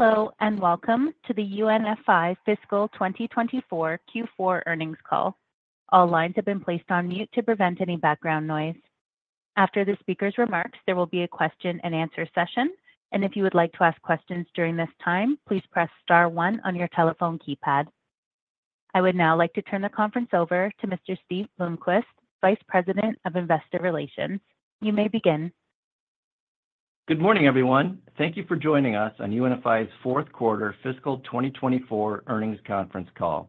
Hello, and welcome to the UNFI Fiscal 2024 Q4 earnings call. All lines have been placed on mute to prevent any background noise. After the speaker's remarks, there will be a question and answer session, and if you would like to ask questions during this time, please press star one on your telephone keypad. I would now like to turn the conference over to Mr. Steve Blomquist, Vice President of Investor Relations. You may begin. Good morning, everyone. Thank you for joining us on UNFI's fourth quarter fiscal twenty twenty-four earnings conference call.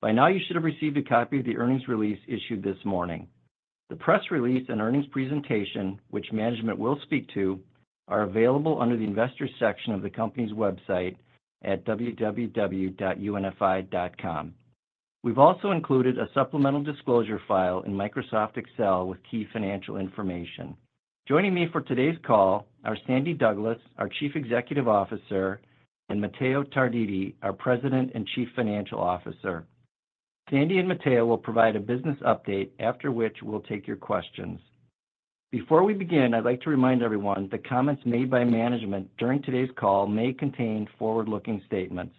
By now, you should have received a copy of the earnings release issued this morning. The press release and earnings presentation, which management will speak to, are available under the Investors section of the company's website at www.unfi.com. We've also included a supplemental disclosure file in Microsoft Excel with key financial information. Joining me for today's call are Sandy Douglas, our Chief Executive Officer, and Matteo Tarditi, our President and Chief Financial Officer. Sandy and Matteo will provide a business update, after which we'll take your questions. Before we begin, I'd like to remind everyone that comments made by management during today's call may contain forward-looking statements.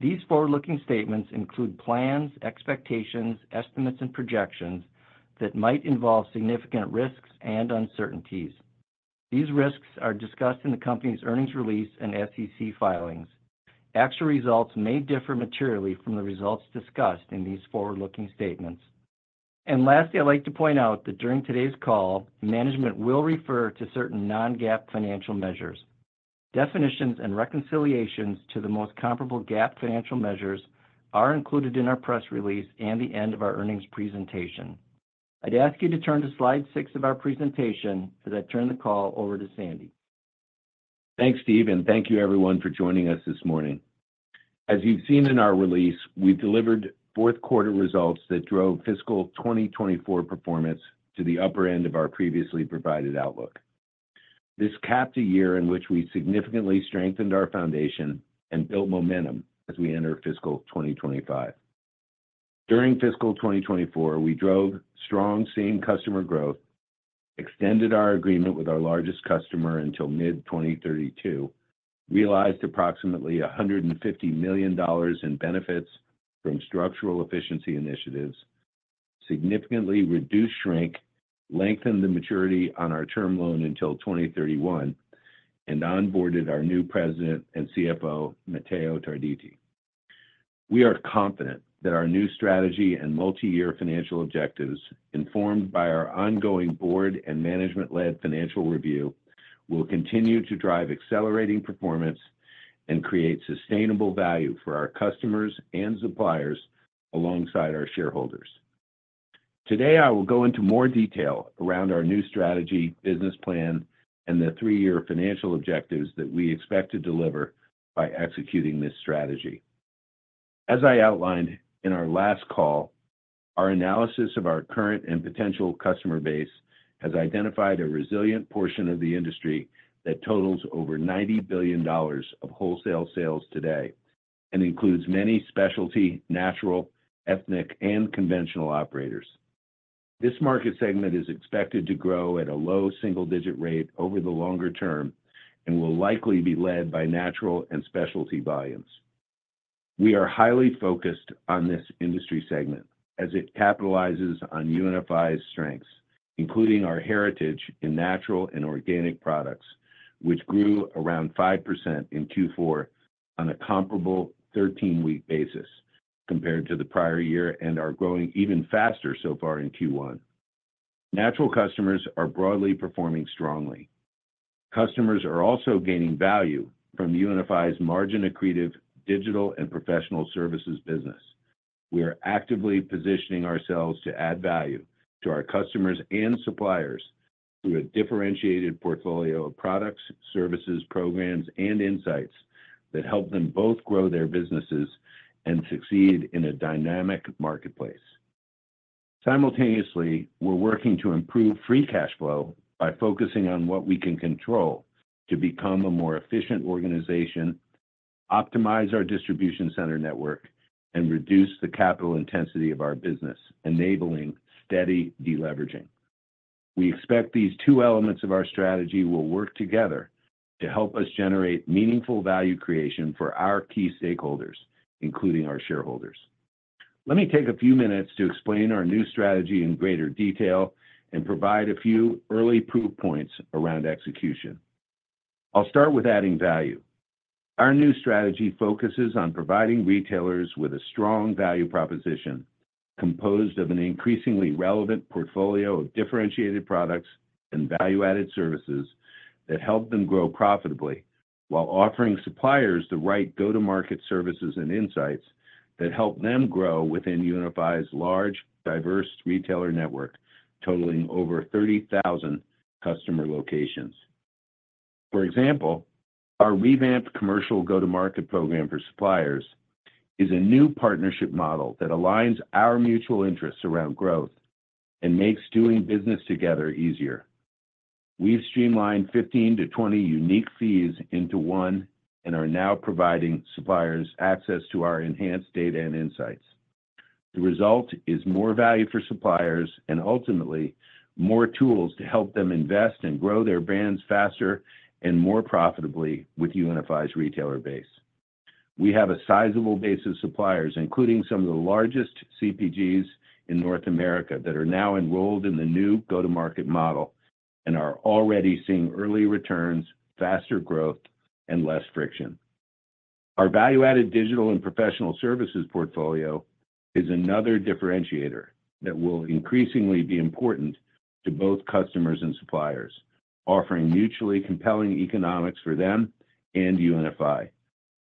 These forward-looking statements include plans, expectations, estimates, and projections that might involve significant risks and uncertainties. These risks are discussed in the company's earnings release and SEC filings. Actual results may differ materially from the results discussed in these forward-looking statements. And lastly, I'd like to point out that during today's call, management will refer to certain non-GAAP financial measures. Definitions and reconciliations to the most comparable GAAP financial measures are included in our press release and the end of our earnings presentation. I'd ask you to turn to slide six of our presentation as I turn the call over to Sandy. Thanks, Steve, and thank you everyone for joining us this morning. As you've seen in our release, we delivered fourth quarter results that drove fiscal 2024 performance to the upper end of our previously provided outlook. This capped a year in which we significantly strengthened our foundation and built momentum as we enter fiscal 2025. During fiscal 2024, we drove strong C&G customer growth, extended our agreement with our largest customer until mid-2032, realized approximately $150 million in benefits from structural efficiency initiatives, significantly reduced shrink, lengthened the maturity on our term loan until 2031, and onboarded our new president and CFO, Matteo Tarditi. We are confident that our new strategy and multi-year financial objectives, informed by our ongoing board and management-led financial review, will continue to drive accelerating performance and create sustainable value for our customers and suppliers alongside our shareholders. Today, I will go into more detail around our new strategy, business plan, and the three-year financial objectives that we expect to deliver by executing this strategy. As I outlined in our last call, our analysis of our current and potential customer base has identified a resilient portion of the industry that totals over $90 billion of wholesale sales today and includes many specialty, natural, ethnic, and conventional operators. This market segment is expected to grow at a low single-digit rate over the longer term and will likely be led by natural and specialty volumes. We are highly focused on this industry segment as it capitalizes on UNFI's strengths, including our heritage in natural and organic products, which grew around 5% in Q4 on a comparable 13-week basis compared to the prior year, and are growing even faster so far in Q1. Natural customers are broadly performing strongly. Customers are also gaining value from UNFI's margin-accretive digital and professional services business. We are actively positioning ourselves to add value to our customers and suppliers through a differentiated portfolio of products, services, programs, and insights that help them both grow their businesses and succeed in a dynamic marketplace. Simultaneously, we're working to improve free cash flow by focusing on what we can control to become a more efficient organization, optimize our distribution center network, and reduce the capital intensity of our business, enabling steady deleveraging. We expect these two elements of our strategy will work together to help us generate meaningful value creation for our key stakeholders, including our shareholders. Let me take a few minutes to explain our new strategy in greater detail and provide a few early proof points around execution. I'll start with adding value. Our new strategy focuses on providing retailers with a strong value proposition, composed of an increasingly relevant portfolio of differentiated products and value-added services that help them grow profitably while offering suppliers the right go-to-market services and insights that help them grow within UNFI's large, diverse retailer network, totaling over 30,000 customer locations. For example, our revamped commercial go-to-market program for suppliers is a new partnership model that aligns our mutual interests around growth and makes doing business together easier. We've streamlined 15-20 unique fees into one and are now providing suppliers access to our enhanced data and insights. The result is more value for suppliers and ultimately, more tools to help them invest and grow their brands faster and more profitably with UNFI's retailer base. We have a sizable base of suppliers, including some of the largest CPGs in North America, that are now enrolled in the new go-to-market model, and are already seeing early returns, faster growth, and less friction. Our value-added digital and professional services portfolio is another differentiator that will increasingly be important to both customers and suppliers, offering mutually compelling economics for them and UNFI.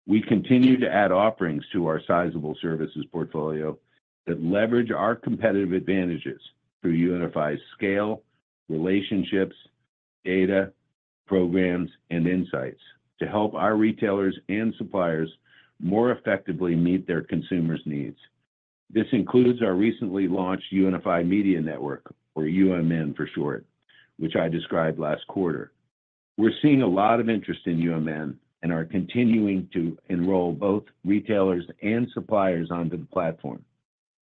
We continue to add offerings to our sizable services portfolio that leverage our competitive advantages through UNFI's scale, relationships, data, programs, and insights to help our retailers and suppliers more effectively meet their consumers' needs. This includes our recently launched UNFI Media Network, or UMN for short, which I described last quarter. We're seeing a lot of interest in UMN and are continuing to enroll both retailers and suppliers onto the platform.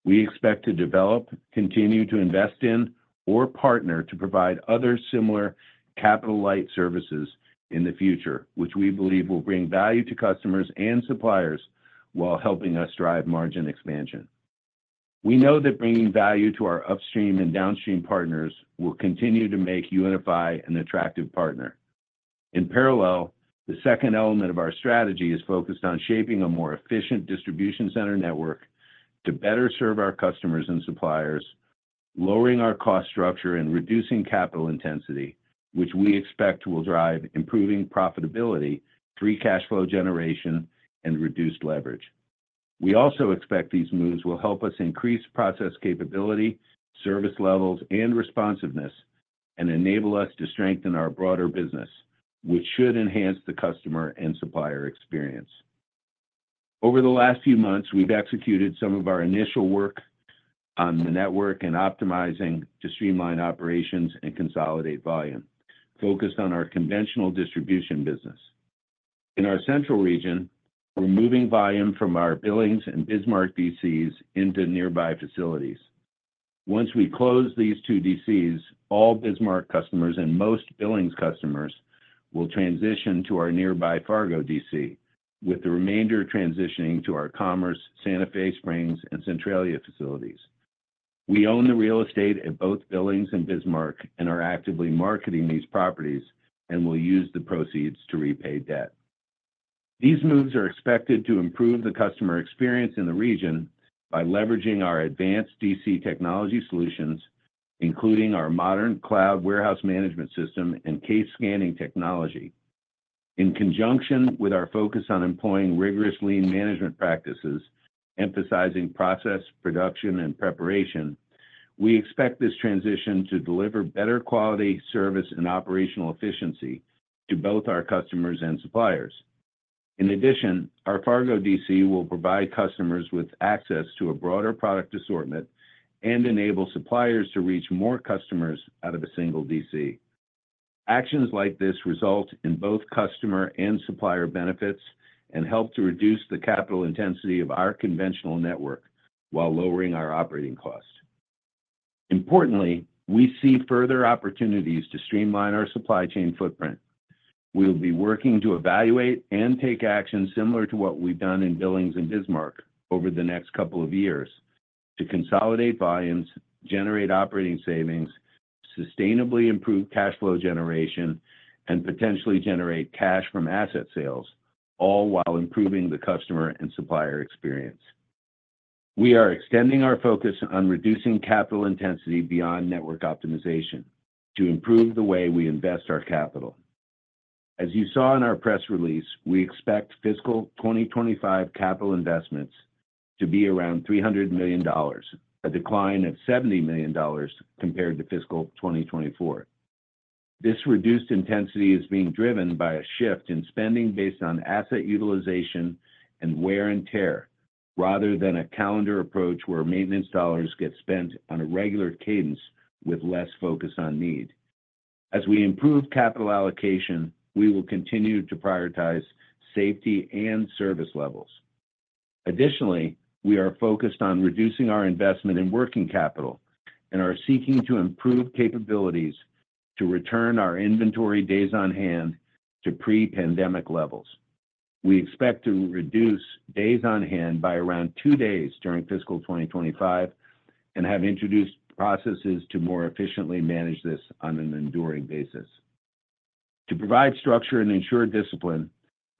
We expect to develop, continue to invest in, or partner to provide other similar capital-light services in the future, which we believe will bring value to customers and suppliers while helping us drive margin expansion. We know that bringing value to our upstream and downstream partners will continue to make UNFI an attractive partner. In parallel, the second element of our strategy is focused on shaping a more efficient distribution center network to better serve our customers and suppliers, lowering our cost structure and reducing capital intensity, which we expect will drive improving profitability, free cash flow generation, and reduced leverage. We also expect these moves will help us increase process capability, service levels, and responsiveness, and enable us to strengthen our broader business, which should enhance the customer and supplier experience. Over the last few months, we've executed some of our initial work on the network and optimizing to streamline operations and consolidate volume, focused on our conventional distribution business. In our central region, we're moving volume from our Billings and Bismarck DCs into nearby facilities. Once we close these two DCs, all Bismarck customers and most Billings customers will transition to our nearby Fargo DC, with the remainder transitioning to our Commerce, Santa Fe Springs, and Centralia facilities. We own the real estate at both Billings and Bismarck, and are actively marketing these properties, and will use the proceeds to repay debt. These moves are expected to improve the customer experience in the region by leveraging our advanced DC technology solutions, including our Modern Cloud Warehouse Management System and Case Scanning Technology. In conjunction with our focus on employing rigorous lean management practices, emphasizing process, production, and preparation, we expect this transition to deliver better quality, service, and operational efficiency to both our customers and suppliers. In addition, our Fargo DC will provide customers with access to a broader product assortment and enable suppliers to reach more customers out of a single DC. Actions like this result in both customer and supplier benefits, and help to reduce the capital intensity of our conventional network while lowering our operating costs. Importantly, we see further opportunities to streamline our supply chain footprint. We'll be working to evaluate and take action similar to what we've done in Billings and Bismarck over the next couple of years to consolidate volumes, generate operating savings, sustainably improve cash flow generation, and potentially generate cash from asset sales, all while improving the customer and supplier experience. We are extending our focus on reducing capital intensity beyond network optimization to improve the way we invest our capital. As you saw in our press release, we expect fiscal 2025 capital investments to be around $300 million, a decline of $70 million compared to fiscal 2024. This reduced intensity is being driven by a shift in spending based on asset utilization and wear and tear, rather than a calendar approach, where maintenance dollars get spent on a regular cadence with less focus on need. As we improve capital allocation, we will continue to prioritize safety and service levels. Additionally, we are focused on reducing our investment in working capital and are seeking to improve capabilities to return our inventory days on hand to pre-pandemic levels. We expect to reduce days on hand by around two days during fiscal 2025 and have introduced processes to more efficiently manage this on an enduring basis. To provide structure and ensure discipline,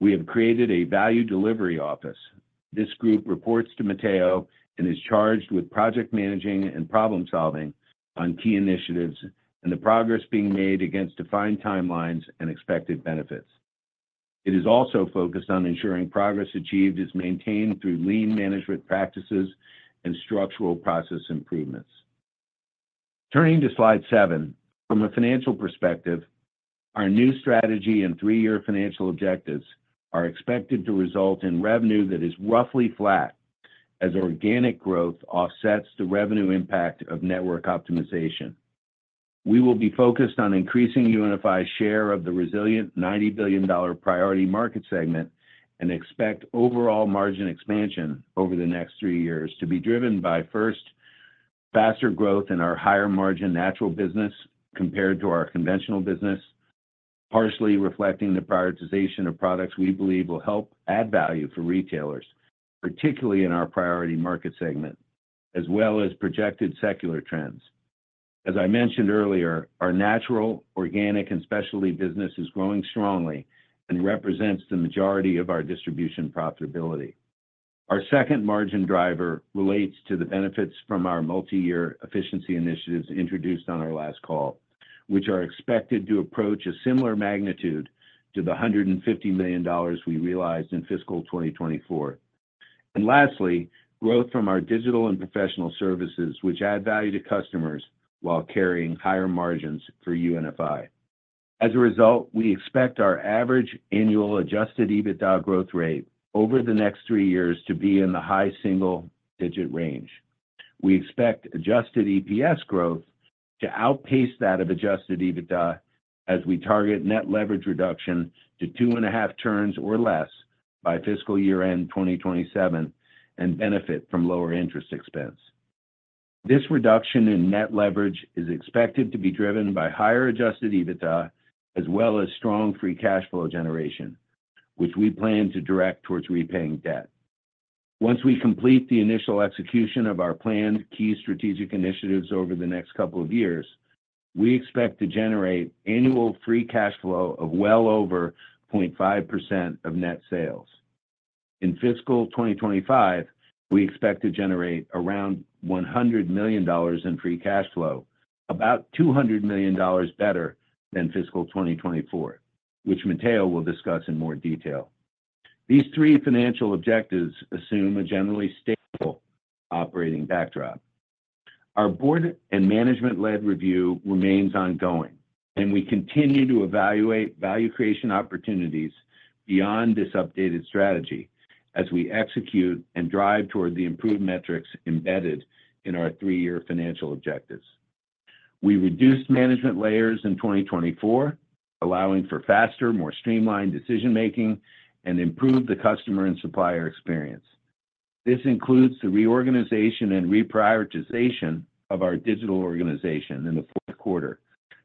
we have created a Value Delivery Office. This group reports to Matteo and is charged with project managing and problem-solving on key initiatives, and the progress being made against defined timelines and expected benefits. It is also focused on ensuring progress achieved is maintained through lean management practices and structural process improvements. Turning to slide seven. From a financial perspective, our new strategy and three-year financial objectives are expected to result in revenue that is roughly flat as organic growth offsets the revenue impact of network optimization. We will be focused on increasing UNFI's share of the resilient $90 billion priority market segment and expect overall margin expansion over the next three years to be driven by, first, faster growth in our higher margin natural business compared to our conventional business, partially reflecting the prioritization of products we believe will help add value for retailers, particularly in our priority market segment, as well as projected secular trends. As I mentioned earlier, our natural, organic, and specialty business is growing strongly and represents the majority of our distribution profitability. Our second margin driver relates to the benefits from our multi-year efficiency initiatives introduced on our last call, which are expected to approach a similar magnitude to the $150 million we realized in fiscal 2024, and lastly, growth from our digital and professional services, which add value to customers while carrying higher margins for UNFI. As a result, we expect our average annual adjusted EBITDA growth rate over the next three years to be in the high single-digit range. We expect adjusted EPS growth to outpace that of adjusted EBITDA, as we target net leverage reduction to two and a half turns or less by fiscal year end, 2027, and benefit from lower interest expense. This reduction in net leverage is expected to be driven by higher adjusted EBITDA, as well as strong free cash flow generation, which we plan to direct towards repaying debt. Once we complete the initial execution of our planned key strategic initiatives over the next couple of years, we expect to generate annual free cash flow of well over 0.5% of net sales. In fiscal 2025, we expect to generate around $100 million in free cash flow, about $200 million better than fiscal 2024, which Matteo will discuss in more detail. These three financial objectives assume a generally stable operating backdrop. Our board and management-led review remains ongoing, and we continue to evaluate value creation opportunities beyond this updated strategy as we execute and drive toward the improved metrics embedded in our three-year financial objectives. We reduced management layers in 2024, allowing for faster, more streamlined decision-making and improved the customer and supplier experience. This includes the reorganization and reprioritization of our digital organization in the fourth quarter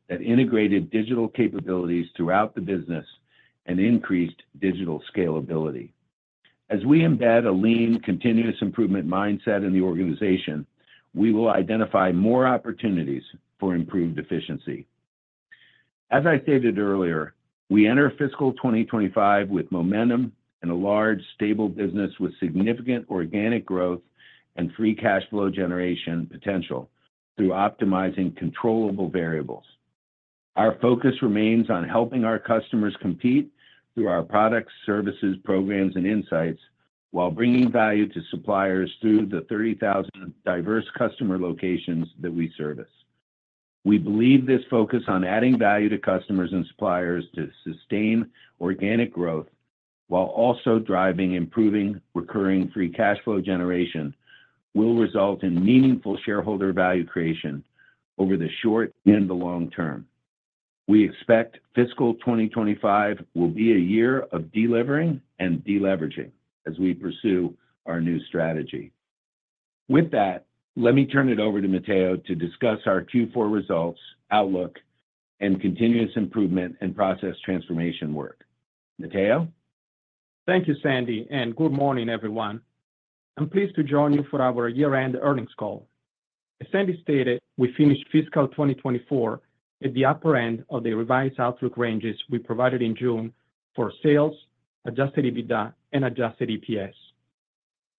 that integrated digital capabilities throughout the business and increased digital scalability. As we embed a lean, continuous improvement mindset in the organization, we will identify more opportunities for improved efficiency. As I stated earlier, we enter fiscal 2025 with momentum and a large, stable business with significant organic growth and free cash flow generation potential through optimizing controllable variables. Our focus remains on helping our customers compete through our products, services, programs, and insights, while bringing value to suppliers through the thirty thousand diverse customer locations that we service. We believe this focus on adding value to customers and suppliers to sustain organic growth, while also driving, improving, recurring free cash flow generation, will result in meaningful shareholder value creation over the short and the long term. We expect fiscal 2025 will be a year of delivering and deleveraging as we pursue our new strategy. With that, let me turn it over to Matteo to discuss our Q4 results, outlook, and continuous improvement and process transformation work. Matteo? Thank you, Sandy, and good morning, everyone. I'm pleased to join you for our year-end earnings call. As Sandy stated, we finished fiscal 2024 at the upper end of the revised outlook ranges we provided in June for sales, adjusted EBITDA, and adjusted EPS.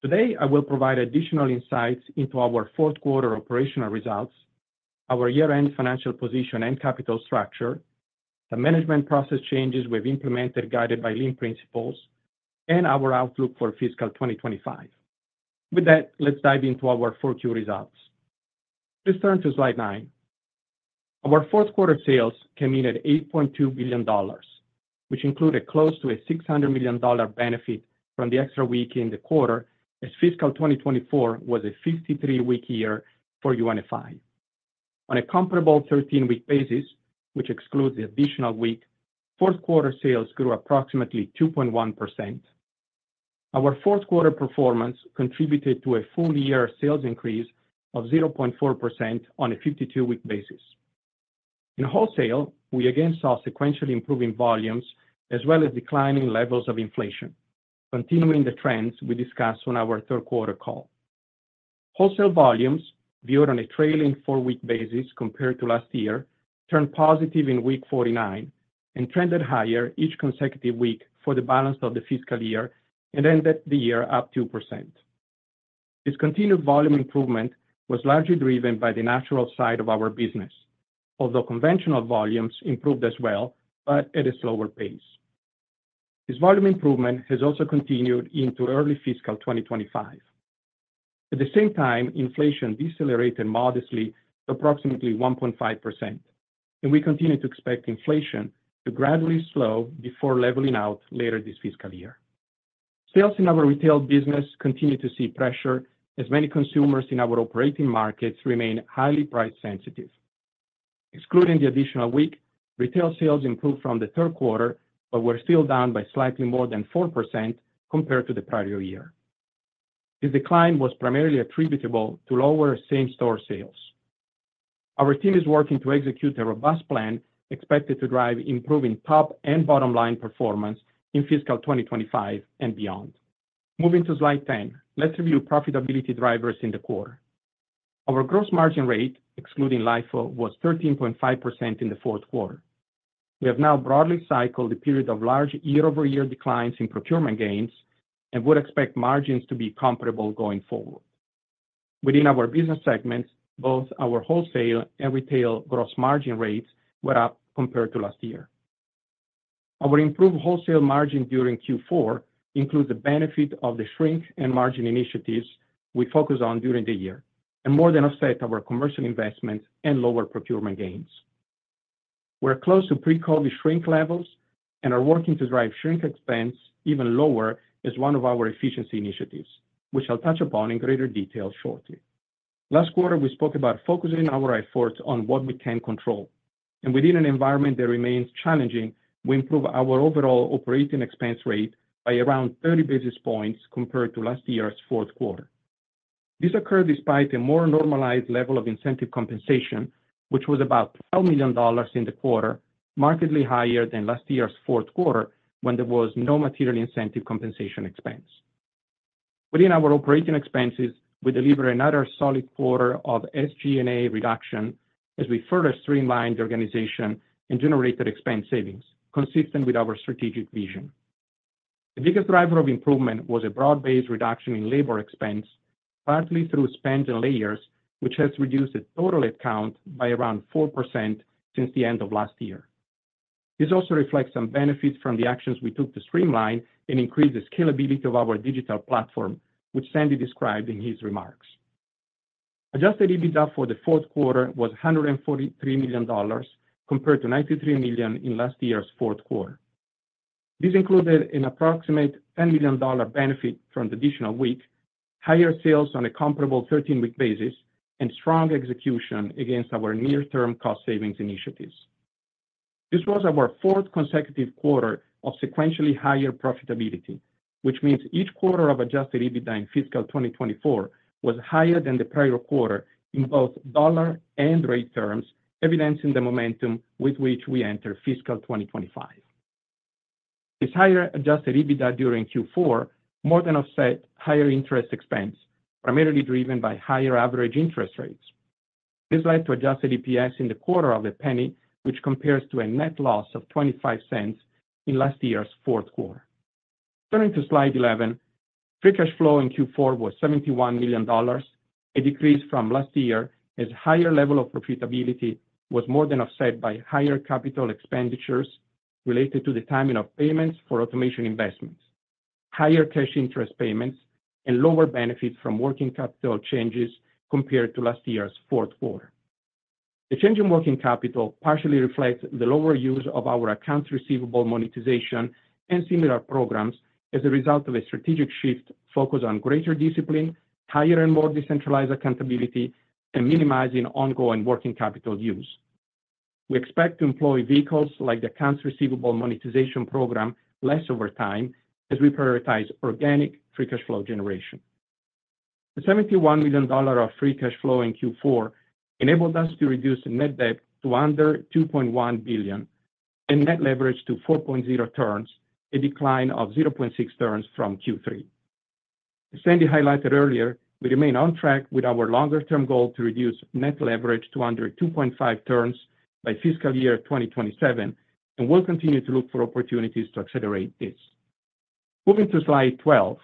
Today, I will provide additional insights into our fourth quarter operational results, our year-end financial position and capital structure, the management process changes we've implemented, guided by lean principles, and our outlook for fiscal 2025. With that, let's dive into our 4Q results. Let's turn to slide 9. Our fourth quarter sales came in at $8.2 billion, which included close to a $600 million benefit from the extra week in the quarter, as fiscal 2024 was a 53-week year for UNFI. On a comparable 13-week basis, which excludes the additional week, fourth quarter sales grew approximately 2.1%. Our fourth quarter performance contributed to a full year sales increase of 0.4% on a 52-week basis. In wholesale, we again saw sequentially improving volumes as well as declining levels of inflation, continuing the trends we discussed on our third quarter call. Wholesale volumes, viewed on a trailing four-week basis compared to last year, turned positive in week forty-nine and trended higher each consecutive week for the balance of the fiscal year and ended the year up 2%. This continued volume improvement was largely driven by the natural side of our business, although conventional volumes improved as well, but at a slower pace. This volume improvement has also continued into early fiscal 2025. At the same time, inflation decelerated modestly to approximately 1.5%, and we continue to expect inflation to gradually slow before leveling out later this fiscal year. Sales in our retail business continue to see pressure, as many consumers in our operating markets remain highly price sensitive. Excluding the additional week, retail sales improved from the third quarter, but were still down by slightly more than 4% compared to the prior year. This decline was primarily attributable to lower same-store sales. Our team is working to execute a robust plan expected to drive improving top and bottom line performance in fiscal 2025 and beyond. Moving to slide 10, let's review profitability drivers in the core. Our gross margin rate, excluding LIFO, was 13.5% in the fourth quarter. We have now broadly cycled the period of large year-over-year declines in procurement gains, and would expect margins to be comparable going forward. Within our business segments, both our wholesale and retail gross margin rates were up compared to last year. Our improved wholesale margin during Q4 includes the benefit of the shrink and margin initiatives we focused on during the year, and more than offset our commercial investments and lower procurement gains. We're close to pre-COVID shrink levels and are working to drive shrink expense even lower as one of our efficiency initiatives, which I'll touch upon in greater detail shortly. Last quarter, we spoke about focusing our efforts on what we can control, and within an environment that remains challenging, we improved our overall operating expense rate by around thirty basis points compared to last year's fourth quarter. This occurred despite a more normalized level of incentive compensation, which was about $12 million in the quarter, markedly higher than last year's fourth quarter when there was no material incentive compensation expense. Within our operating expenses, we delivered another solid quarter of SG&A reduction as we further streamlined the organization and generated expense savings, consistent with our strategic vision. The biggest driver of improvement was a broad-based reduction in labor expense, partly through spans and layers, which has reduced the total head count by around 4% since the end of last year. This also reflects some benefits from the actions we took to streamline and increase the scalability of our digital platform, which Sandy described in his remarks. Adjusted EBITDA for the fourth quarter was $143 million, compared to $93 million in last year's fourth quarter. This included an approximate $10 million benefit from the additional week, higher sales on a comparable thirteen-week basis, and strong execution against our near-term cost savings initiatives. This was our fourth consecutive quarter of sequentially higher profitability, which means each quarter of Adjusted EBITDA in fiscal 2024 was higher than the prior quarter in both dollar and rate terms, evidencing the momentum with which we enter fiscal 2025. This higher Adjusted EBITDA during Q4 more than offset higher interest expense, primarily driven by higher average interest rates. This led to Adjusted EPS in the quarter of $0.01, which compares to a net loss of $0.25 in last year's fourth quarter. Turning to Slide 11, free cash flow in Q4 was $71 million, a decrease from last year, as higher level of profitability was more than offset by higher capital expenditures related to the timing of payments for automation investments, higher cash interest payments, and lower benefits from working capital changes compared to last year's fourth quarter. The change in working capital partially reflects the lower use of our accounts receivable monetization and similar programs as a result of a strategic shift focused on greater discipline, higher and more decentralized accountability, and minimizing ongoing working capital use. We expect to employ vehicles like the accounts receivable monetization program less over time as we prioritize organic free cash flow generation. The $71 million of free cash flow in Q4 enabled us to reduce net debt to under $2.1 billion and net leverage to 4.0 turns, a decline of 0.6 turns from Q3. As Sandy highlighted earlier, we remain on track with our longer-term goal to reduce net leverage to under 2.5 turns by fiscal year 2027, and we'll continue to look for opportunities to accelerate this. Moving to slide 12.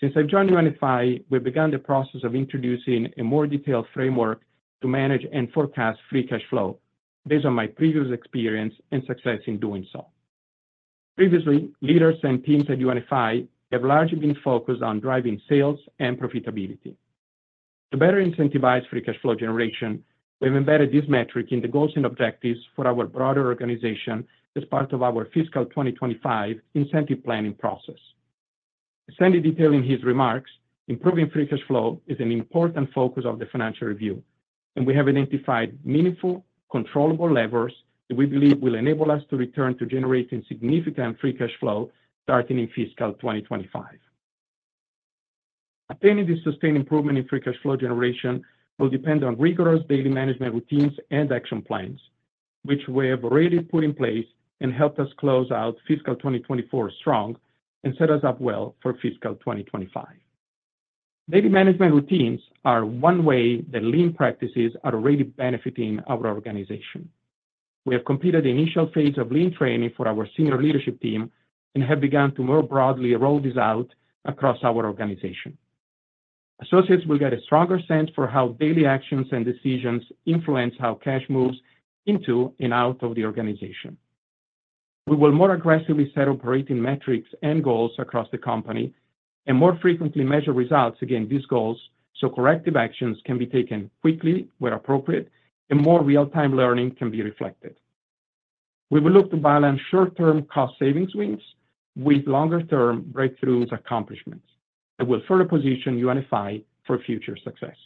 Since I've joined UNFI, we've begun the process of introducing a more detailed framework to manage and forecast free cash flow based on my previous experience and success in doing so. Previously, leaders and teams at UNFI have largely been focused on driving sales and profitability. To better incentivize free cash flow generation, we've embedded this metric in the goals and objectives for our broader organization as part of our fiscal 2025 incentive planning process. As Sandy detailed in his remarks, improving free cash flow is an important focus of the financial review, and we have identified meaningful, controllable levers that we believe will enable us to return to generating significant free cash flow starting in fiscal 2025. Obtaining this sustained improvement in free cash flow generation will depend on rigorous daily management routines and action plans, which we have already put in place and helped us close out fiscal 2024 strong and set us up well for fiscal 2025. Daily management routines are one way that lean practices are already benefiting our organization. We have completed the initial phase of lean training for our senior leadership team and have begun to more broadly roll this out across our organization. Associates will get a stronger sense for how daily actions and decisions influence how cash moves into and out of the organization. We will more aggressively set operating metrics and goals across the company and more frequently measure results against these goals, so corrective actions can be taken quickly, where appropriate, and more real-time learning can be reflected. We will look to balance short-term cost savings wins with longer-term breakthrough accomplishments that will further position UNFI for future success.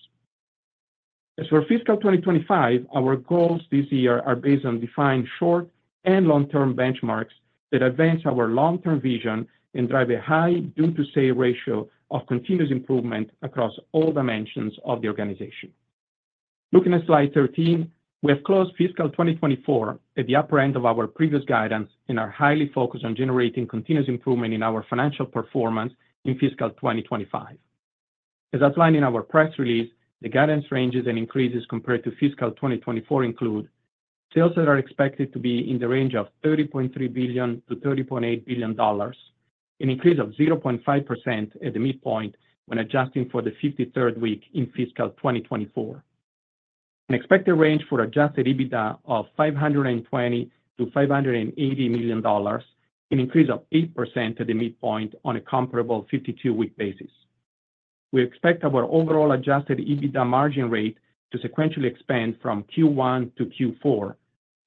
As for fiscal 2025, our goals this year are based on defined short- and long-term benchmarks that advance our long-term vision and drive a high do-to-say ratio of continuous improvement across all dimensions of the organization. Looking at slide 13, we have closed fiscal 2024 at the upper end of our previous guidance and are highly focused on generating continuous improvement in our financial performance in fiscal 2025. As outlined in our press release, the guidance ranges and increases compared to fiscal 2024 include sales that are expected to be in the range of $30.3 billion-$30.8 billion, an increase of 0.5% at the midpoint when adjusting for the 53rd week in fiscal 2024. An expected range for adjusted EBITDA of $520 million-$580 million, an increase of 8% at the midpoint on a comparable 52-week basis. We expect our overall adjusted EBITDA margin rate to sequentially expand from Q1 to Q4,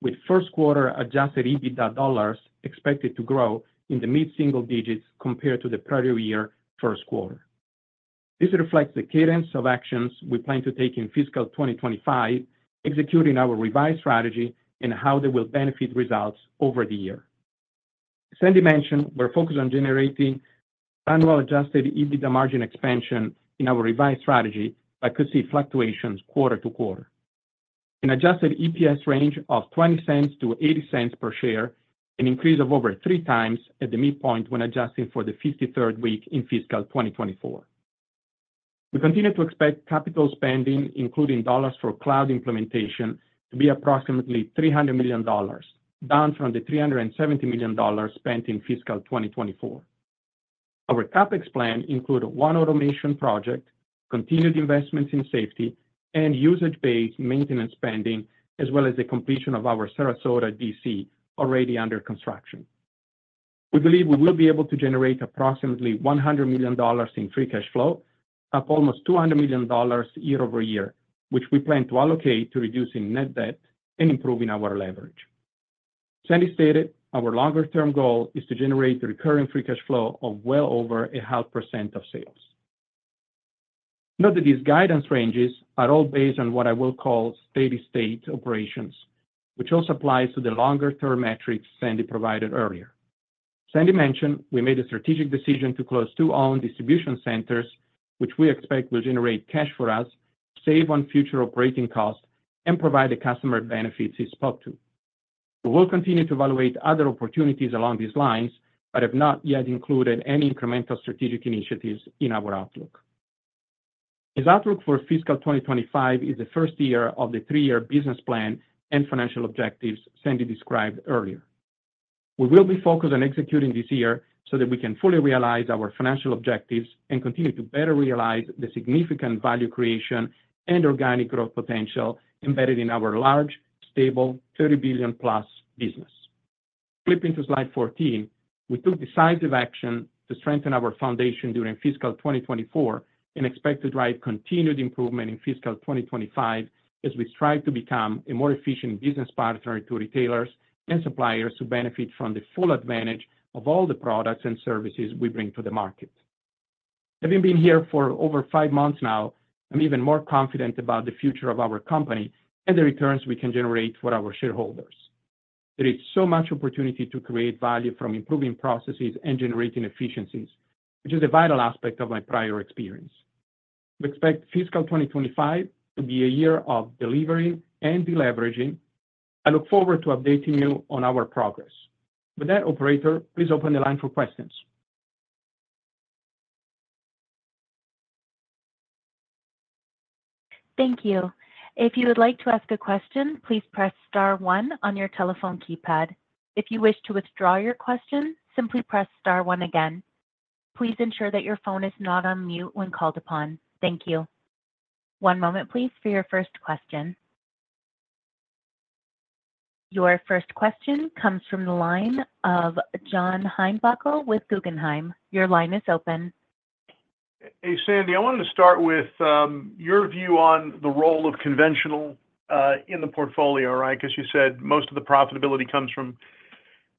with first quarter adjusted EBITDA dollars expected to grow in the mid-single digits compared to the prior year first quarter. This reflects the cadence of actions we plan to take in fiscal 2025, executing our revised strategy and how they will benefit results over the year. Sandy mentioned we're focused on generating annual adjusted EBITDA margin expansion in our revised strategy, but could see fluctuations quarter to quarter. An adjusted EPS range of $0.20 to $0.80 per share, an increase of over three times at the midpoint when adjusting for the 53rd week in fiscal 2024. We continue to expect capital spending, including dollars for cloud implementation, to be approximately $300 million, down from the $370 million spent in fiscal 2024. Our CapEx plan include one automation project, continued investments in safety and usage-based maintenance spending, as well as the completion of our Sarasota DC, already under construction. We believe we will be able to generate approximately $100 million in free cash flow, up almost $200 million year over year, which we plan to allocate to reducing net debt and improving our leverage. Sandy stated, "our longer-term goal is to generate the recurring free cash flow of well over 0.5% of sales." Note that these guidance ranges are all based on what I will call steady-state operations, which also applies to the longer-term metrics Sandy provided earlier. Sandy mentioned we made a strategic decision to close two owned distribution centers, which we expect will generate cash for us, save on future operating costs, and provide the customer benefits he spoke to. We will continue to evaluate other opportunities along these lines, but have not yet included any incremental strategic initiatives in our outlook. His outlook for fiscal 2025 is the first year of the three-year business plan and financial objectives Sandy described earlier. We will be focused on executing this year so that we can fully realize our financial objectives and continue to better realize the significant value creation and organic growth potential embedded in our large, stable 30 billion-plus business. Flipping to slide 14, we took decisive action to strengthen our foundation during fiscal 2024 and expect to drive continued improvement in fiscal 2025 as we strive to become a more efficient business partner to retailers and suppliers who benefit from the full advantage of all the products and services we bring to the market. Having been here for over five months now, I'm even more confident about the future of our company and the returns we can generate for our shareholders. There is so much opportunity to create value from improving processes and generating efficiencies, which is a vital aspect of my prior experience. We expect fiscal 2025 to be a year of delivering and deleveraging. I look forward to updating you on our progress. With that, operator, please open the line for questions. Thank you. If you would like to ask a question, please press star one on your telephone keypad. If you wish to withdraw your question, simply press star one again. Please ensure that your phone is not on mute when called upon. Thank you. One moment, please, for your first question. Your first question comes from the line of John Heinbockel with Guggenheim. Your line is open. Hey, Sandy, I wanted to start with your view on the role of conventional in the portfolio, right? Because you said most of the profitability comes from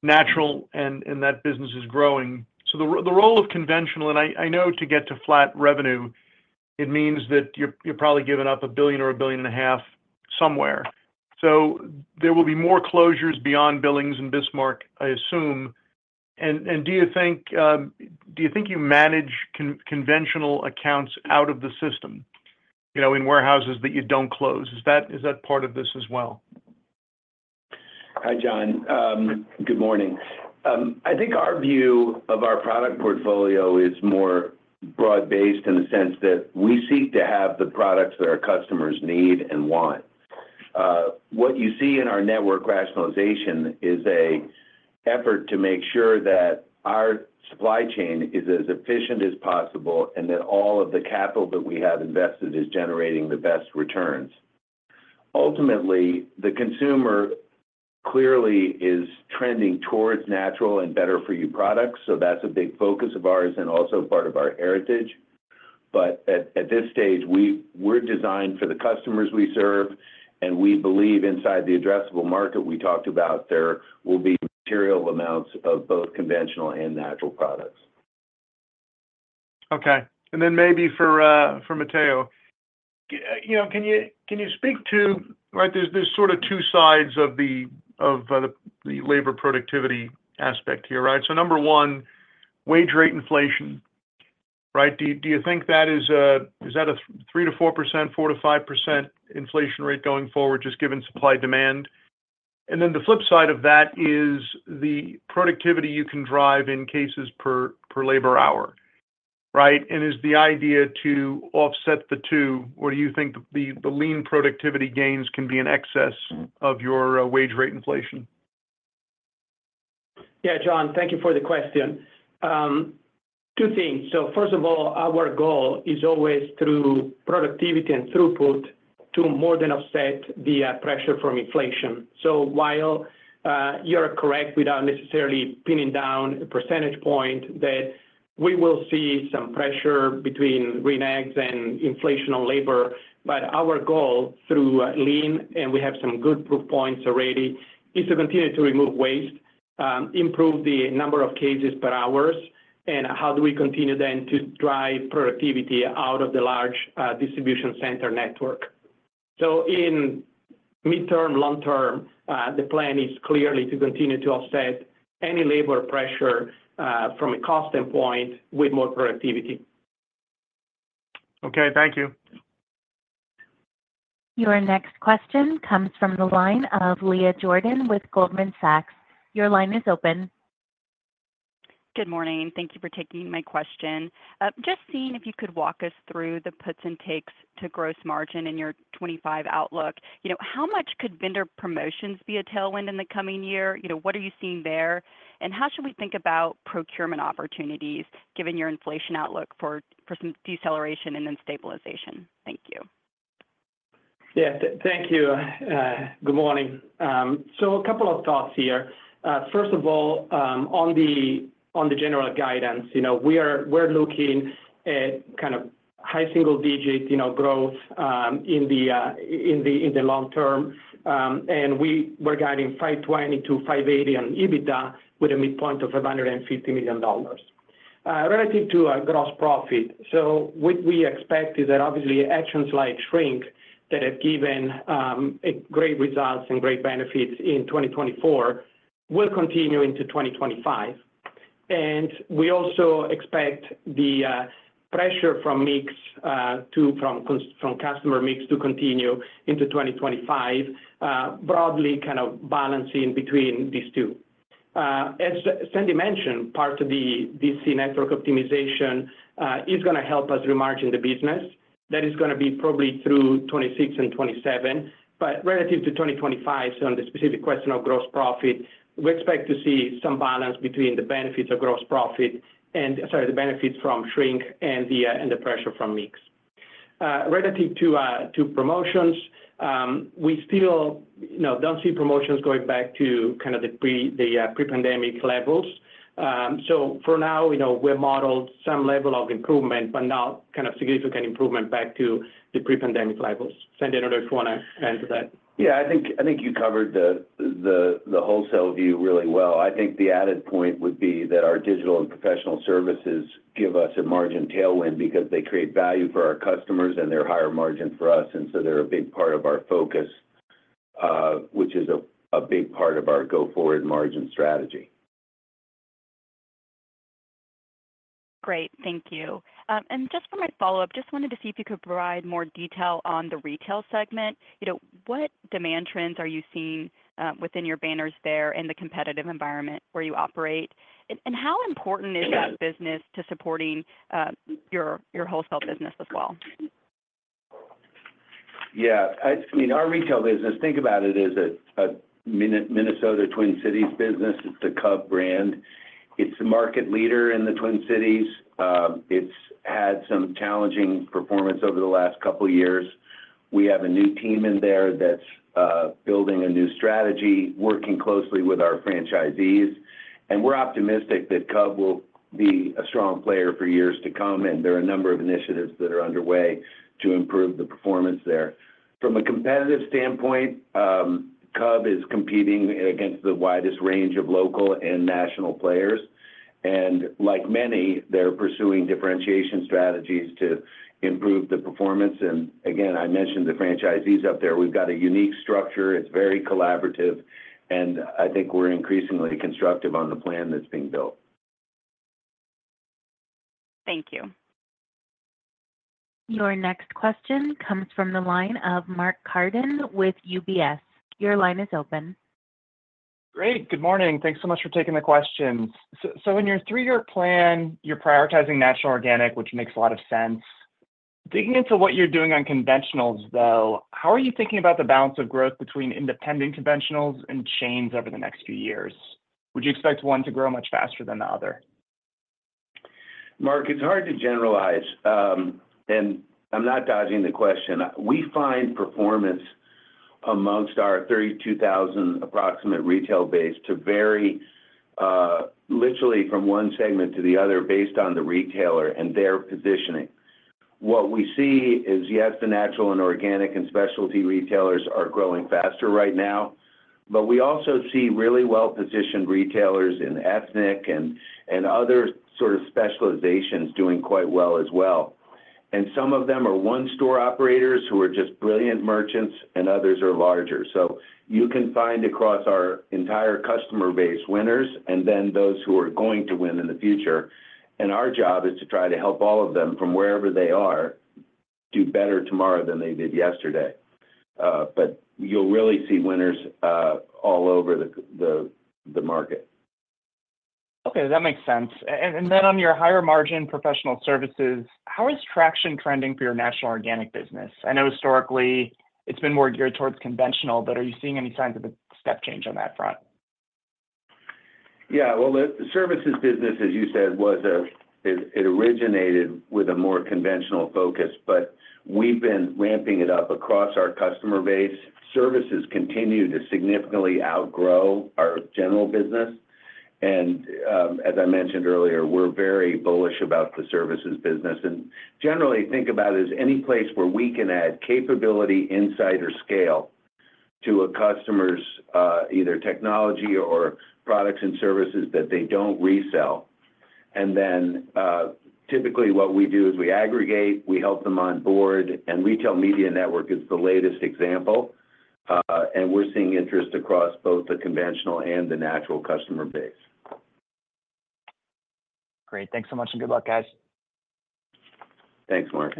natural and that business is growing. So the role of conventional, and I know to get to flat revenue, it means that you're probably giving up a billion or a billion and a half somewhere. So there will be more closures beyond Billings and Bismarck, I assume. And do you think you manage conventional accounts out of the system, you know, in warehouses that you don't close? Is that part of this as well? Hi, John. Good morning. I think our view of our product portfolio is more broad-based in the sense that we seek to have the products that our customers need and want. What you see in our network rationalization is an effort to make sure that our supply chain is as efficient as possible and that all of the capital that we have invested is generating the best returns. Ultimately, the consumer clearly is trending towards natural and better for you products, so that's a big focus of ours and also part of our heritage.... but at this stage, we're designed for the customers we serve, and we believe inside the addressable market we talked about, there will be material amounts of both conventional and natural products. Okay. And then maybe for Matteo, you know, can you speak to—Right, there's sort of two sides of the labor productivity aspect here, right? So number one, wage rate inflation, right? Do you think that is that a 3-4%, 4-5% inflation rate going forward, just given supply, demand? And then the flip side of that is the productivity you can drive in cases per labor hour, right? And is the idea to offset the two, or do you think the lean productivity gains can be in excess of your wage rate inflation? Yeah, John, thank you for the question. Two things. So first of all, our goal is always through productivity and throughput to more than offset the pressure from inflation. So while you're correct, without necessarily pinning down a percentage point, that we will see some pressure between wages and inflation on labor, but our goal through Lean, and we have some good proof points already, is to continue to remove waste, improve the number of cases per hour, and how do we continue then to drive productivity out of the large distribution center network. So in midterm, long term, the plan is clearly to continue to offset any labor pressure from a cost standpoint with more productivity. Okay, thank you. Your next question comes from the line of Leah Jordan with Goldman Sachs. Your line is open. Good morning, and thank you for taking my question. Just seeing if you could walk us through the puts and takes to gross margin in your 2025 outlook. You know, how much could vendor promotions be a tailwind in the coming year? You know, what are you seeing there? And how should we think about procurement opportunities, given your inflation outlook for some deceleration and then stabilization? Thank you. Yeah, thank you. Good morning. So a couple of thoughts here. First of all, on the general guidance, you know, we're looking at kind of high single digit, you know, growth in the long term. And we were guiding $520 million-$580 million on EBITDA with a midpoint of $550 million. Relative to our gross profit, so what we expect is that obviously actions like shrink that have given a great results and great benefits in 2024 will continue into 2025. And we also expect the pressure from customer mix to continue into 2025, broadly kind of balancing between these two. As Sandy mentioned, part of the DC network optimization is gonna help us remargin the business. That is gonna be probably through 2026 and 2027, but relative to 2025, so on the specific question of gross profit, we expect to see some balance between the benefits of gross profit and, sorry, the benefits from shrink and the pressure from mix. Relative to promotions, we still, you know, don't see promotions going back to kind of the pre, the pre-pandemic levels. So for now, you know, we've modeled some level of improvement, but not kind of significant improvement back to the pre-pandemic levels. Sandy, I don't know if you want to add to that. Yeah, I think you covered the wholesale view really well. I think the added point would be that our digital and professional services give us a margin tailwind because they create value for our customers, and they're higher margin for us, and so they're a big part of our focus, which is a big part of our go-forward margin strategy. Great. Thank you. And just for my follow-up, just wanted to see if you could provide more detail on the retail segment. You know, what demand trends are you seeing within your banners there in the competitive environment where you operate? And how important is that business to supporting your wholesale business as well? Yeah, I mean, our retail business, think about it as a Minnesota Twin Cities business. It's the Cub brand. It's a market leader in the Twin Cities. It's had some challenging performance over the last couple of years. We have a new team in there that's building a new strategy, working closely with our franchisees, and we're optimistic that Cub will be a strong player for years to come, and there are a number of initiatives that are underway to improve the performance there. From a competitive standpoint, Cub is competing against the widest range of local and national players, and like many, they're pursuing differentiation strategies to improve the performance. And again, I mentioned the franchisees up there. We've got a unique structure, it's very collaborative, and I think we're increasingly constructive on the plan that's being built. Thank you. Your next question comes from the line of Mark Carden with UBS. Your line is open. Great. Good morning. Thanks so much for taking the questions. So in your three-year plan, you're prioritizing national organic, which makes a lot of sense. Digging into what you're doing on conventionals, though, how are you thinking about the balance of growth between independent conventionals and chains over the next few years? Would you expect one to grow much faster than the other? Mark, it's hard to generalize, and I'm not dodging the question. We find performance among our approximately 32,000 retail base to vary, literally from one segment to the other, based on the retailer and their positioning. What we see is, yes, the natural and organic and specialty retailers are growing faster right now, but we also see really well-positioned retailers in ethnic and other sort of specializations doing quite well as well, and some of them are one store operators who are just brilliant merchants, and others are larger, so you can find across our entire customer base winners, and then those who are going to win in the future, and our job is to try to help all of them, from wherever they are, do better tomorrow than they did yesterday, but you'll really see winners all over the market. Okay, that makes sense. And then on your higher margin professional services, how is traction trending for your national organic business? I know historically it's been more geared towards conventional, but are you seeing any signs of a step change on that front? Yeah, well, the services business, as you said, it originated with a more conventional focus, but we've been ramping it up across our customer base. Services continue to significantly outgrow our general business, and as I mentioned earlier, we're very bullish about the services business. And generally, think about it as any place where we can add capability, insight, or scale to a customer's either technology or products and services that they don't resell. And then, typically what we do is we aggregate, we help them onboard, and retail media network is the latest example, and we're seeing interest across both the conventional and the natural customer base. Great. Thanks so much, and good luck, guys. Thanks, Mark.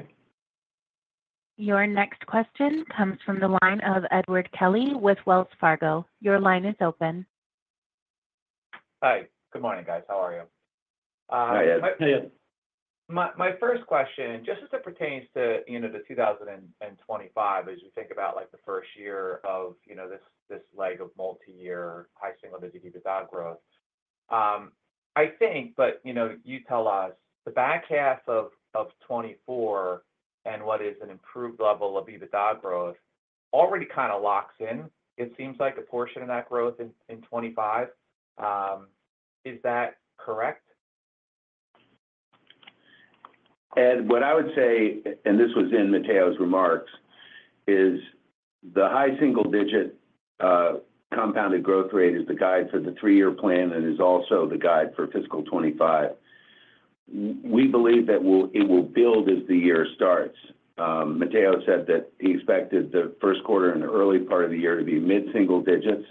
Your next question comes from the line of Edward Kelly with Wells Fargo. Your line is open. Hi. Good morning, guys. How are you? Hi, Ed. Hey, Ed. My first question, just as it pertains to, you know, the 2025, as you think about, like, the first year of, you know, this leg of multiyear, high single-digit EBITDA growth. I think, but, you know, you tell us, the back half of 2024 and what is an improved level of EBITDA growth already kind of locks in. It seems like a portion of that growth in 2025. Is that correct? Ed, what I would say, and this was in Matteo's remarks, is the high single digit compounded growth rate is the guide for the three-year plan and is also the guide for fiscal 25. We believe that it will build as the year starts. Matteo said that he expected the first quarter and the early part of the year to be mid-single digits,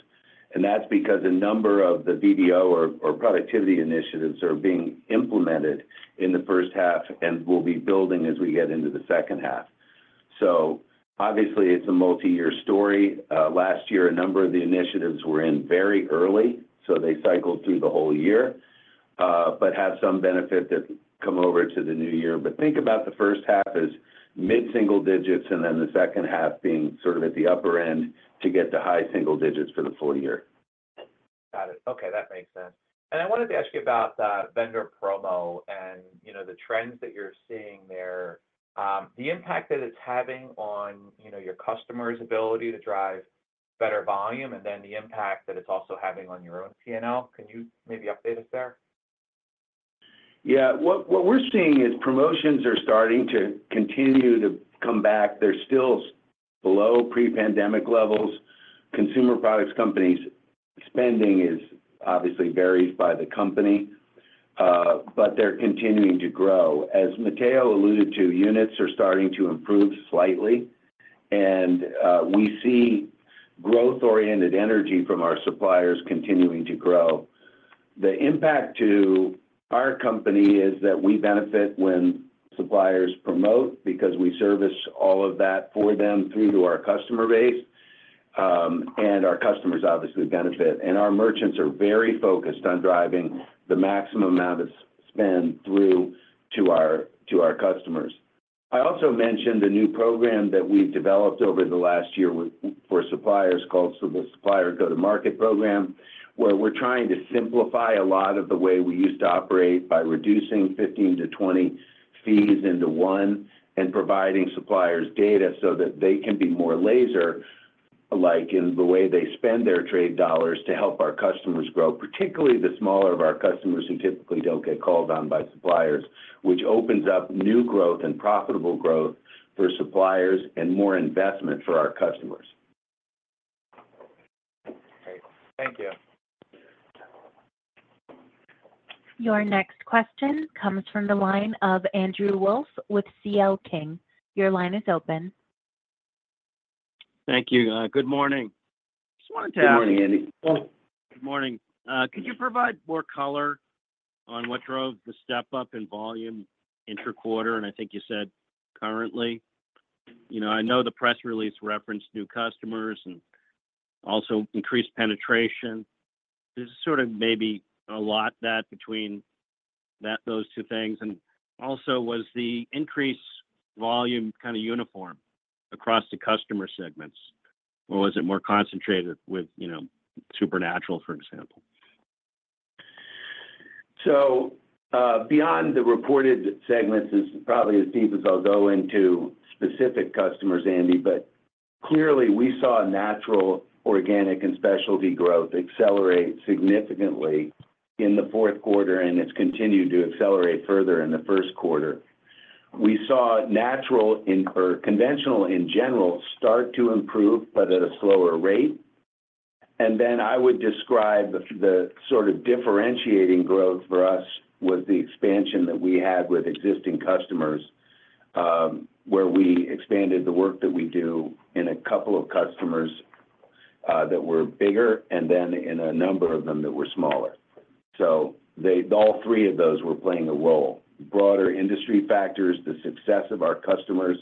and that's because a number of the VDO or productivity initiatives are being implemented in the first half and will be building as we get into the second half. So obviously, it's a multi-year story. Last year, a number of the initiatives were in very early, so they cycled through the whole year, but have some benefit that come over to the new year but think about the first half as mid-single digits, and then the second half being sort of at the upper end to get to high single digits for the full year. Got it. Okay, that makes sense, and I wanted to ask you about vendor promo and, you know, the trends that you're seeing there. The impact that it's having on, you know, your customers' ability to drive better volume, and then the impact that it's also having on your own P&L. Can you maybe update us there? Yeah. What we're seeing is promotions are starting to continue to come back. They're still below pre-pandemic levels. Consumer products companies spending is obviously varies by the company, but they're continuing to grow. As Matteo alluded to, units are starting to improve slightly, and we see growth-oriented energy from our suppliers continuing to grow. The impact to our company is that we benefit when suppliers promote, because we service all of that for them through to our customer base, and our customers obviously benefit, and our merchants are very focused on driving the maximum amount of spend through to our customers. I also mentioned a new program that we've developed over the last year with for suppliers called the Supplier Go-to-Market program, where we're trying to simplify a lot of the way we used to operate by reducing 15-20 fees into one, and providing suppliers data so that they can be more laser-like in the way they spend their trade dollars to help our customers grow, particularly the smaller of our customers, who typically don't get called on by suppliers, which opens up new growth and profitable growth for suppliers and more investment for our customers. Great. Thank you. Your next question comes from the line of Andrew Wolf with CL King. Your line is open. Thank you. Good morning. Just wanted to ask- Good morning, Andy. Good morning. Could you provide more color on what drove the step up in volume interquarter, and I think you said currently? You know, I know the press release referenced new customers and also increased penetration. There's sort of maybe a lot that between that, those two things. And also, was the increased volume kind of uniform across the customer segments, or was it more concentrated with, you know, Supernatural, for example?... So, beyond the reported segments is probably as deep as I'll go into specific customers, Andy, but clearly, we saw natural, organic, and specialty growth accelerate significantly in the fourth quarter, and it's continued to accelerate further in the first quarter. We saw natural or conventional in general start to improve, but at a slower rate. And then I would describe the sort of differentiating growth for us, was the expansion that we had with existing customers, where we expanded the work that we do in a couple of customers, that were bigger and then in a number of them that were smaller. So all three of those were playing a role. Broader industry factors, the success of our customers,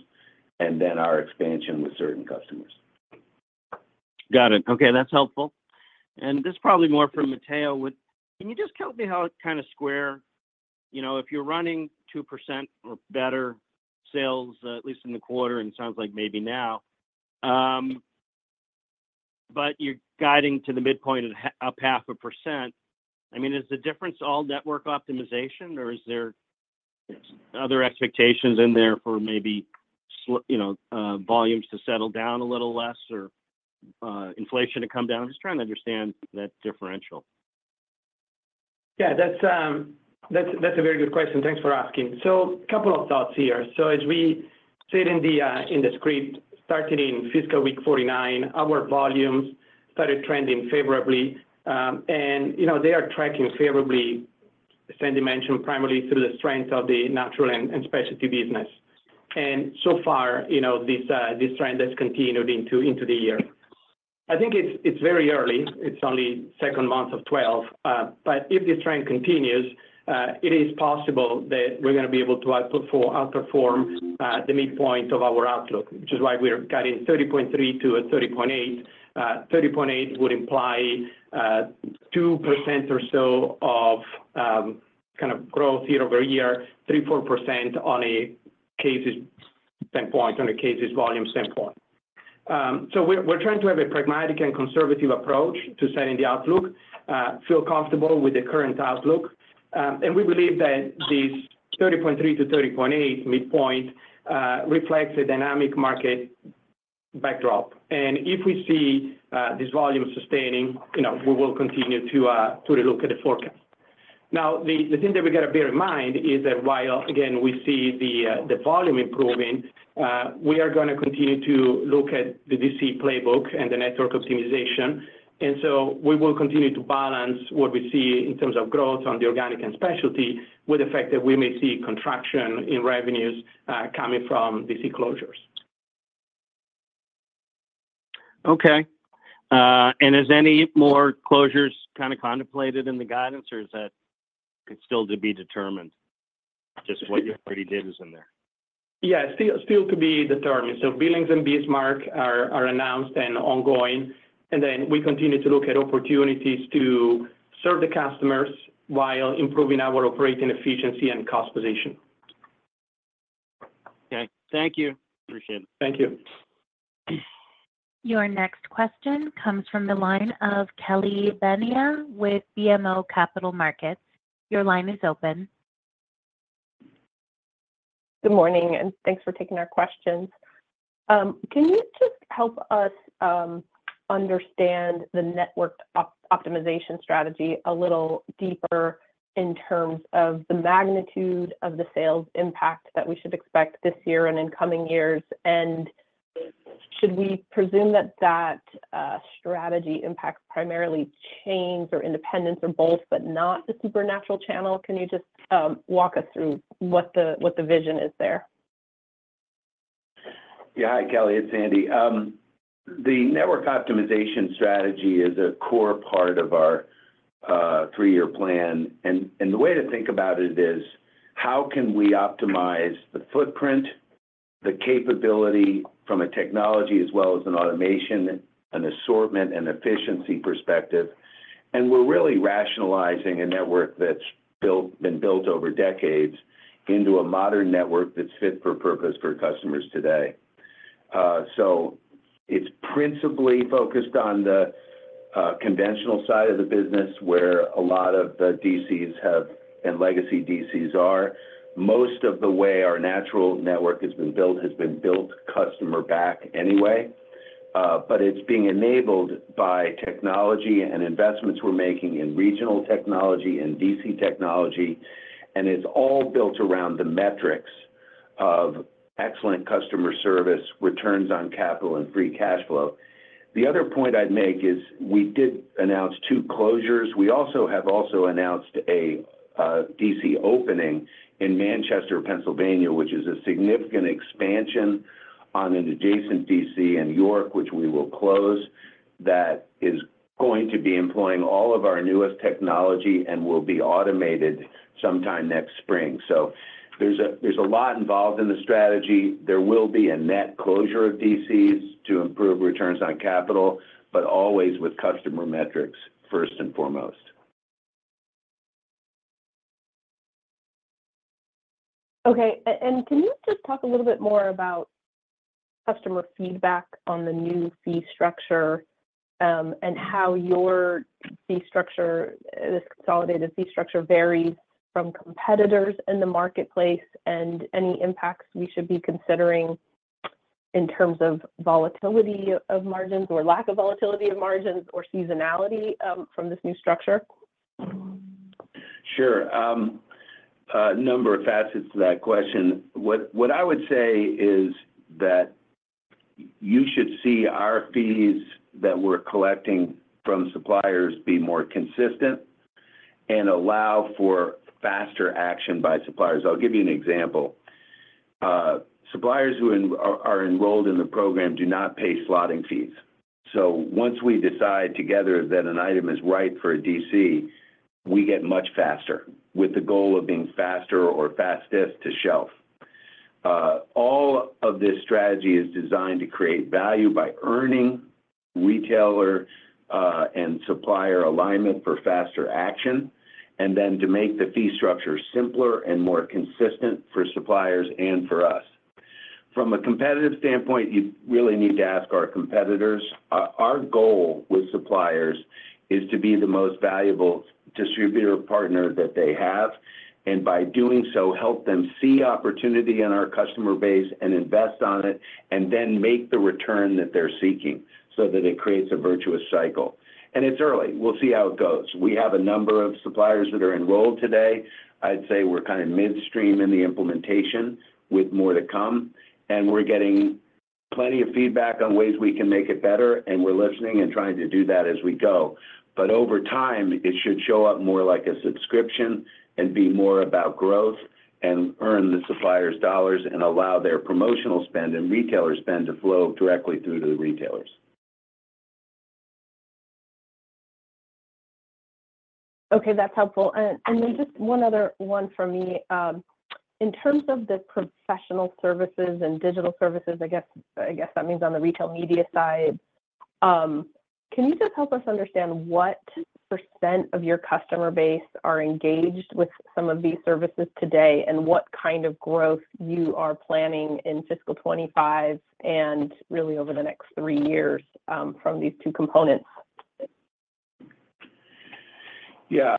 and then our expansion with certain customers. Got it. Okay, that's helpful, and this is probably more for Matteo. Can you just tell me how it kind of squares? You know, if you're running 2% or better sales, at least in the quarter, and sounds like maybe now, but you're guiding to the midpoint of up 0.5%. I mean, is the difference all network optimization, or is there- Yes... other expectations in there for maybe you know, volumes to settle down a little less or, inflation to come down? I'm just trying to understand that differential. Yeah, that's a very good question. Thanks for asking. So a couple of thoughts here. So as we said in the script, started in fiscal week 49, our volumes started trending favorably. And, you know, they are tracking favorably, as Sandy mentioned, primarily through the strength of the natural and specialty business. And so far, you know, this trend has continued into the year. I think it's very early. It's only second month of twelve, but if this trend continues, it is possible that we're gonna be able to outperform the midpoint of our outlook, which is why we're guiding 30.3-30.8. 30.8 would imply 2% or so of kind of growth year over year, 3-4% on a cases standpoint, on a cases volume standpoint. So we're trying to have a pragmatic and conservative approach to setting the outlook, feel comfortable with the current outlook. We believe that this 30.3-30.8 midpoint reflects a dynamic market backdrop. If we see this volume sustaining, you know, we will continue to relook at the forecast. Now, the thing that we got to bear in mind is that while, again, we see the volume improving, we are gonna continue to look at the DC playbook and the network optimization. We will continue to balance what we see in terms of growth on the organic and specialty, with the fact that we may see contraction in revenues coming from DC closures. Okay, and is there any more closures kind of contemplated in the guidance, or is that still to be determined? Just what you already did is in there. Yeah, still to be determined, so Billings and Bismarck are announced and ongoing, and then we continue to look at opportunities to serve the customers while improving our operating efficiency and cost position. Okay. Thank you. Appreciate it. Thank you. Your next question comes from the line of Kelly Bania with BMO Capital Markets. Your line is open. Good morning, and thanks for taking our questions. Can you just help us understand the network optimization strategy a little deeper in terms of the magnitude of the sales impact that we should expect this year and in coming years? And should we presume that strategy impacts primarily chains or independents or both, but not the Supernatural channel? Can you just walk us through what the vision is there? Yeah. Hi, Kelly, it's Sandy. The network optimization strategy is a core part of our three-year plan. And the way to think about it is, how can we optimize the footprint, the capability from a technology as well as an automation, an assortment, and efficiency perspective? And we're really rationalizing a network that's been built over decades into a modern network that's fit for purpose for customers today. So it's principally focused on the conventional side of the business, where a lot of the DCs have, and legacy DCs are. Most of the way our natural network has been built customer back anyway, but it's being enabled by technology and investments we're making in regional technology and DC technology. And it's all built around the metrics of excellent customer service, returns on capital, and free cash flow. The other point I'd make is, we did announce two closures. We also have announced a DC opening in Manchester, Pennsylvania, which is a significant expansion on an adjacent DC in New York, which we will close, that is going to be employing all of our newest technology and will be automated sometime next spring. So there's a lot involved in the strategy. There will be a net closure of DCs to improve returns on capital, but always with customer metrics, first and foremost. Okay, and can you just talk a little bit more about customer feedback on the new fee structure, and how your fee structure, this consolidated fee structure, varies from competitors in the marketplace and any impacts we should be considering in terms of volatility of margins or lack of volatility of margins or seasonality, from this new structure? Sure. A number of facets to that question. What, what I would say is that you should see our fees that we're collecting from suppliers be more consistent and allow for faster action by suppliers. I'll give you an example. Suppliers who are enrolled in the program do not pay slotting fees. So once we decide together that an item is right for a DC, we get much faster, with the goal of being faster or fastest to shelf. All of this strategy is designed to create value by earning retailer and supplier alignment for faster action, and then to make the fee structure simpler and more consistent for suppliers and for us. From a competitive standpoint, you really need to ask our competitors. Our goal with suppliers is to be the most valuable distributor partner that they have, and by doing so, help them see opportunity in our customer base and invest on it, and then make the return that they're seeking so that it creates a virtuous cycle. And it's early. We'll see how it goes. We have a number of suppliers that are enrolled today. I'd say we're kind of midstream in the implementation with more to come, and we're getting plenty of feedback on ways we can make it better, and we're listening and trying to do that as we go. But over time, it should show up more like a subscription and be more about growth and earn the suppliers dollars and allow their promotional spend and retailer spend to flow directly through to the retailers. Okay, that's helpful, and then just one other one for me. In terms of the professional services and digital services, I guess that means on the retail media side, can you just help us understand what % of your customer base are engaged with some of these services today, and what kind of growth you are planning in fiscal 25 and really over the next three years, from these two components? Yeah,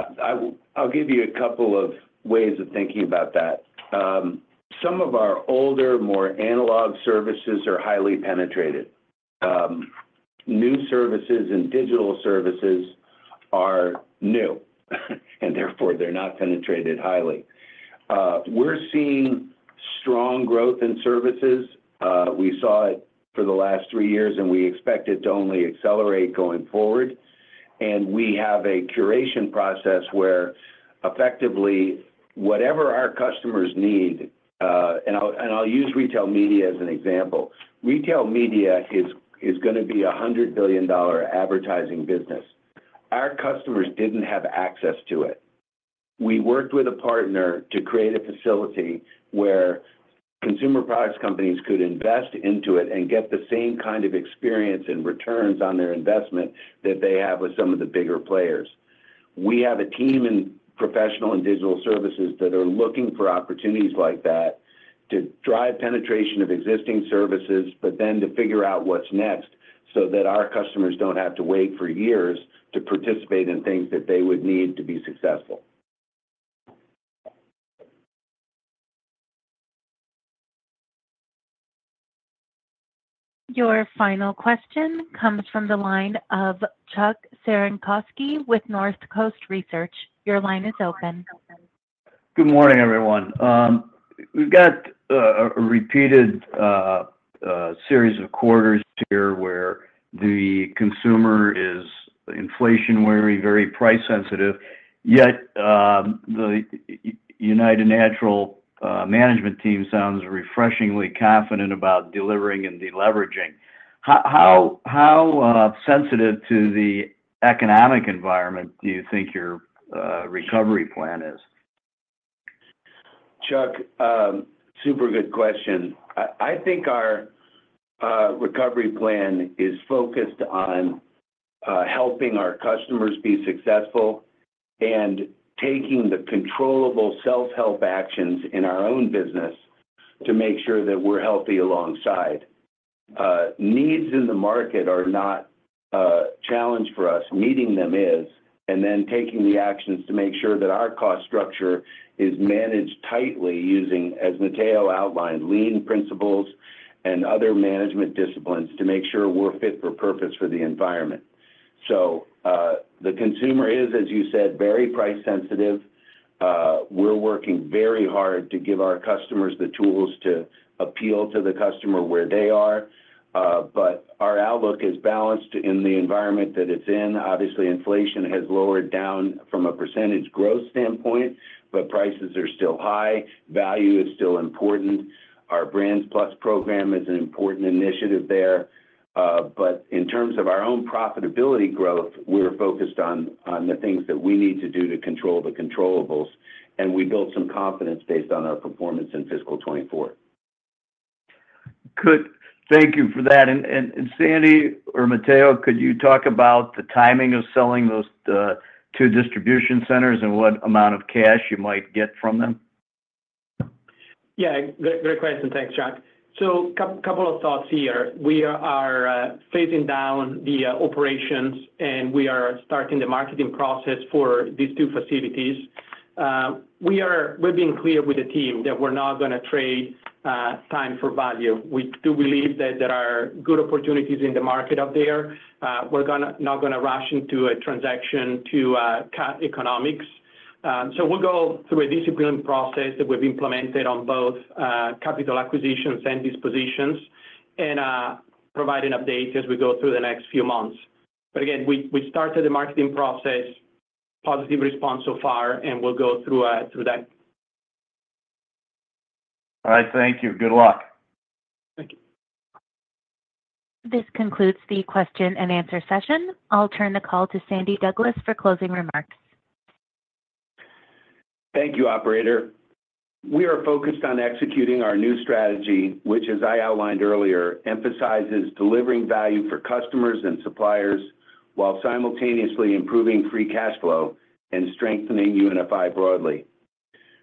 I'll give you a couple of ways of thinking about that. Some of our older, more analog services are highly penetrated. New services and digital services are new, and therefore, they're not penetrated highly. We're seeing strong growth in services. We saw it for the last three years, and we expect it to only accelerate going forward. We have a curation process where effectively whatever our customers need, and I'll use retail media as an example. Retail media is gonna be a $100 billion advertising business. Our customers didn't have access to it. We worked with a partner to create a facility where consumer products companies could invest into it and get the same kind of experience and returns on their investment that they have with some of the bigger players. We have a team in professional and digital services that are looking for opportunities like that to drive penetration of existing services, but then to figure out what's next, so that our customers don't have to wait for years to participate in things that they would need to be successful. Your final question comes from the line of Chuck Cerankosky with North Coast Research. Your line is open. Good morning, everyone. We've got a repeated series of quarters here where the consumer is inflation-wary, very price sensitive, yet, the United Natural Foods management team sounds refreshingly confident about delivering and deleveraging. How sensitive to the economic environment do you think your recovery plan is? Chuck, super good question. I think our recovery plan is focused on helping our customers be successful and taking the controllable self-help actions in our own business to make sure that we're healthy alongside. Needs in the market are not a challenge for us, meeting them is, and then taking the actions to make sure that our cost structure is managed tightly using, as Matteo outlined, lean principles and other management disciplines to make sure we're fit for purpose for the environment. So, the consumer is, as you said, very price sensitive. We're working very hard to give our customers the tools to appeal to the customer where they are, but our outlook is balanced in the environment that it's in. Obviously, inflation has lowered down from a percentage growth standpoint, but prices are still high. Value is still important. Our Brands+ program is an important initiative there. But in terms of our own profitability growth, we're focused on the things that we need to do to control the controllables, and we built some confidence based on our performance in fiscal 24. Good. Thank you for that. And Sandy or Matteo, could you talk about the timing of selling those two distribution centers and what amount of cash you might get from them? Yeah, great, great question. Thanks, Chuck. So couple of thoughts here. We are phasing down the operations, and we are starting the marketing process for these two facilities. We are being clear with the team that we're not gonna trade time for value. We do believe that there are good opportunities in the market out there. We're not gonna rush into a transaction to cut economics. So we'll go through a disciplined process that we've implemented on both capital acquisitions and dispositions and provide an update as we go through the next few months. But again, we started the marketing process, positive response so far, and we'll go through that. All right. Thank you. Good luck. Thank you. This concludes the question and answer session. I'll turn the call to Sandy Douglas for closing remarks. Thank you, operator. We are focused on executing our new strategy, which, as I outlined earlier, emphasizes delivering value for customers and suppliers while simultaneously improving free cash flow and strengthening UNFI broadly.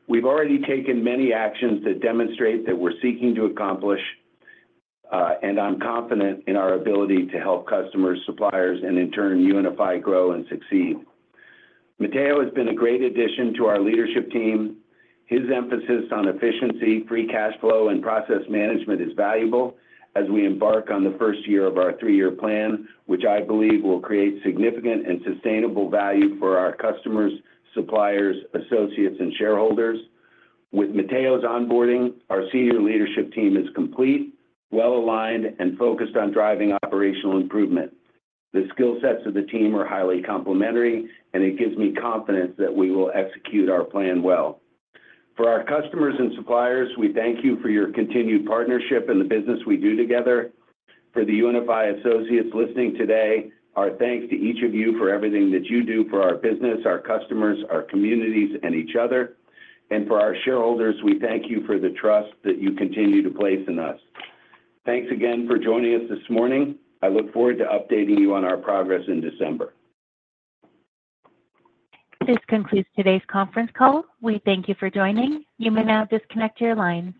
We've already taken many actions that demonstrate that we're seeking to accomplish, and I'm confident in our ability to help customers, suppliers, and in turn, UNFI grow and succeed. Matteo has been a great addition to our leadership team. His emphasis on efficiency, free cash flow, and process management is valuable as we embark on the first year of our three-year plan, which I believe will create significant and sustainable value for our customers, suppliers, associates, and shareholders. With Matteo's onboarding, our senior leadership team is complete, well-aligned, and focused on driving operational improvement. The skill sets of the team are highly complementary, and it gives me confidence that we will execute our plan well. For our customers and suppliers, we thank you for your continued partnership and the business we do together. For the UNFI associates listening today, our thanks to each of you for everything that you do for our business, our customers, our communities, and each other, and for our shareholders, we thank you for the trust that you continue to place in us. Thanks again for joining us this morning. I look forward to updating you on our progress in December. This concludes today's conference call. We thank you for joining. You may now disconnect your lines.